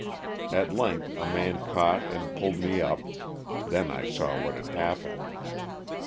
At length a man caught and pulled me up, then I saw what had happened.